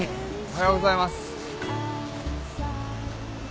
おはようございます。